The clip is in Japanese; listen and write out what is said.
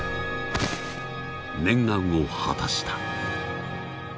念願を果たした。